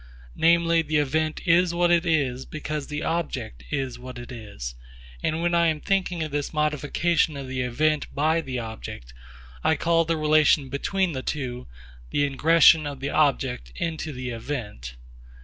Namely the event is what it is, because the object is what it is; and when I am thinking of this modification of the event by the object, I call the relation between the two 'the ingression of the object into the event.'